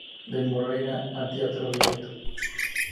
Del Moreira a Teatro Abierto" -Bs As.